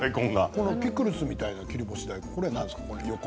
このピクルスみたいな切り干し大根、何ですか？